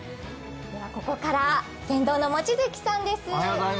ここから船頭の望月さんです。